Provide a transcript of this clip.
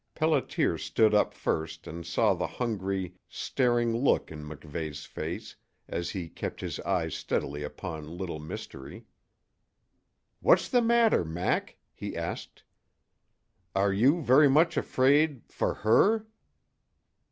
Pelliter stood up first and saw the hungry, staring look in MacVeigh's face as he kept his eyes steadily upon Little Mystery. "What's the matter, Mac?" he asked. "Are you very much afraid for her?"